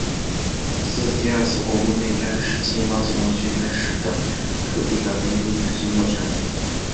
自第二次国共内战时期老解放区开始的土地改革运动推行到全国。